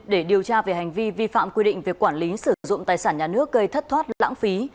để điều tra về hành vi vi phạm quy định về quản lý sử dụng tài sản nhà nước gây thất thoát lãng phí